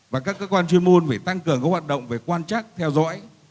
và các cơ quan chuyên môn phải tăng cường các hoạt động về quan chắc theo dõi